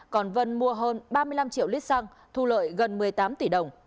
còn vân mua hơn ba mươi năm triệu lít xăng thu lợi gần một mươi tám tỷ đồng